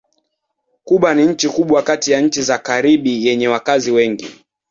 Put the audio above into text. Kuba ni nchi kubwa kati ya nchi za Karibi yenye wakazi wengi.